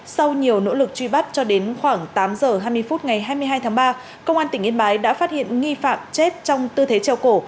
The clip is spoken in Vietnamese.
sau nhiều nỗ lực truy bắt cho đến khoảng tám h hai mươi phút ngày hai mươi hai tháng ba công an tỉnh yên bái đã phát hiện nghi phạm chết trong tư thế treo cổ